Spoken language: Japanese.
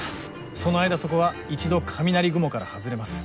その間そこは一度雷雲から外れます。